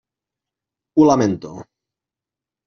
Ho lamento.